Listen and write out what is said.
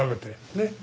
ねっ？